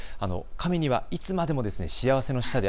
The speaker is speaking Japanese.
カメにはいつまでも幸せの使者で